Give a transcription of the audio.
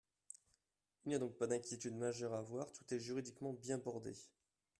Il n’y a donc pas d’inquiétude majeure à avoir, tout est juridiquement bien bordé.